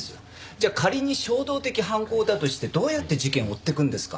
じゃあ仮に衝動的犯行だとしてどうやって事件を追っていくんですか？